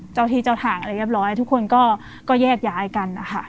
เจ้าที่เจ้าทางอะไรเรียบร้อยทุกคนก็แยกย้ายกันนะคะ